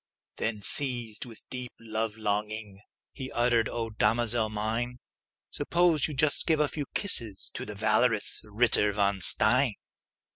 Then, seized with a deep love longing, He uttered, "O damosel mine, Suppose you just give a few kisses To the valorous Ritter von Stein!"